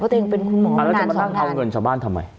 ก็ตัวเองเป็นคุณหมอเอาเงินชาวบ้านทำไม